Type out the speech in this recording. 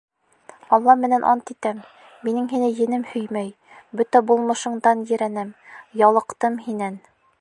Алла менән ант итәм, минең һине енем һөймәй, бөтә булмышыңдан ерәнәм, ялыҡтым һинән.